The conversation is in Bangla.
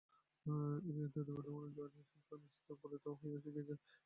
কিন্তু ইতোমধ্যে মানব-মনে সত্যানুসন্ধিৎসা অঙ্কুরিত হইয়া গিয়াছে এবং উহার গতি অন্তর্মুখে চলিয়াছে।